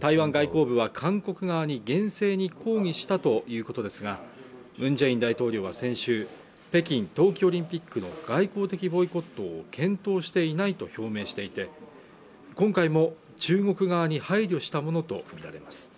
台湾外交部は韓国側に厳正に抗議したということですがムン・ジェイン大統領は先週北京冬季オリンピックの外交的ボイコットを検討していないと表明していて今回も中国側に配慮したものと見られます